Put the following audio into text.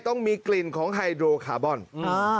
ต้องมีกลิ่นของไฮโดรคาร์บอนอ่า